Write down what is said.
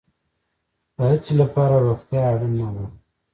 د هڅې لپاره روغتیا اړین ده